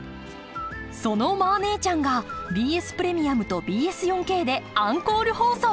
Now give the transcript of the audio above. その「マー姉ちゃん」がＢＳプレミアムとＢＳ４Ｋでアンコール放送！